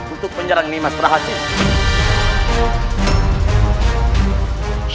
untuk menyerang nimas prahasis